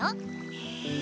へえ。